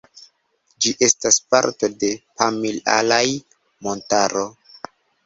Ĝi estas parto de Pamir-Alaj-Montaro.